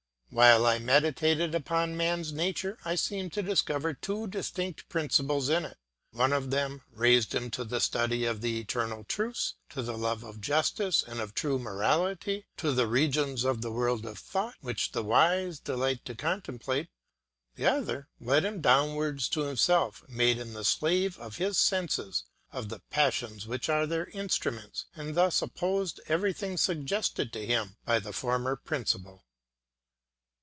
While I meditated upon man's nature, I seemed to discover two distinct principles in it; one of them raised him to the study of the eternal truths, to the love of justice, and of true morality, to the regions of the world of thought, which the wise delight to contemplate; the other led him downwards to himself, made him the slave of his senses, of the passions which are their instruments, and thus opposed everything suggested to him by the former principle.